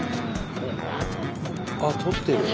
あっ撮ってる。